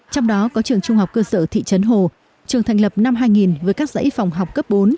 trong đó có trường trung học cơ sở thị trấn hồ trường thành lập năm hai nghìn với các dãy phòng học cấp bốn